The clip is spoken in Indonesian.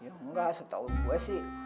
ya enggak setahun dua sih